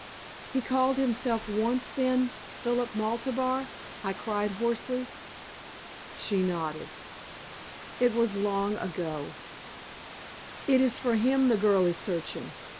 "He called himself once, then, Philip Maltabar?" I cried, hoarsely. She nodded. "It was long ago." "It is for him the girl is searching.